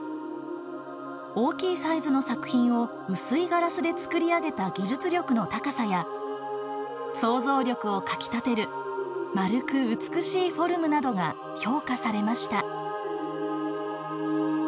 大きいサイズの作品を薄いガラスで作り上げた技術力の高さや想像力をかきたてる丸く美しいフォルムなどが評価されました。